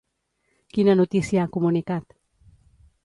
Quina notícia ha comunicat?